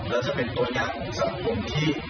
แล้วจะเป็นตัวอย่างของสังคมที่